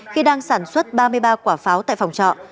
khi đang sản xuất ba mươi ba quả pháo tại phòng trọ